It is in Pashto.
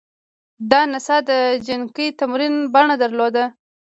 دا نڅا د جنګي تمرین بڼه درلوده